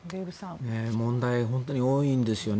問題が本当に多いんですよね。